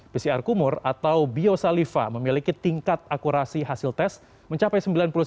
pcr kumur atau biosaliva memiliki tingkat akurasi hasil tes mencapai sembilan puluh sembilan